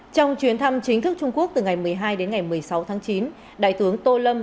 trong chuyến thăm chính thức trung quốc từ ngày một mươi hai đến ngày một mươi sáu tháng chín đại tướng tô lâm